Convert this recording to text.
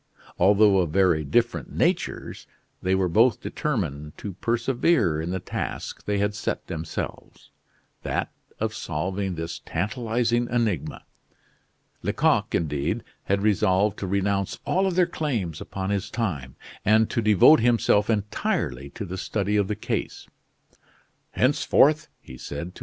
Although of very different natures, they were both determined to persevere in the task they had set themselves that of solving this tantalizing enigma. Lecoq, indeed, had resolved to renounce all other claims upon his time, and to devote himself entirely to the study of the case. "Henceforth," he said to M.